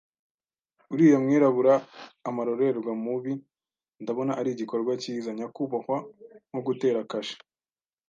uriya mwirabura, amarorerwa mubi, ndabona ari igikorwa cyiza, nyakubahwa, nko gutera kashe